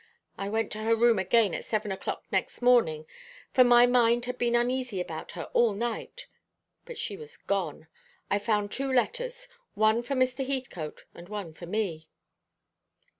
I went to her room again at seven o'clock next morning, for my mind had been uneasy about her all night; but she was gone. I found two letters, one for Mr. Heathcote, and one for me."